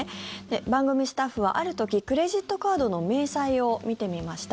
番組スタッフは、ある時クレジットカードの明細を見てみました。